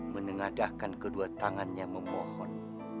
menengadahkan kedua tangannya memohon